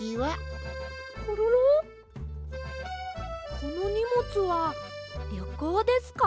このにもつはりょこうですか？